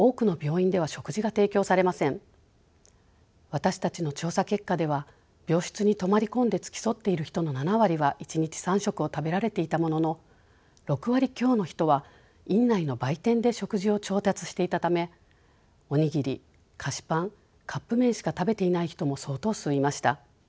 私たちの調査結果では病室に泊まり込んで付き添っている人の７割は１日３食を食べられていたものの６割強の人は院内の売店で食事を調達していたためお握り菓子パンカップ麺しか食べていない人も相当数いました。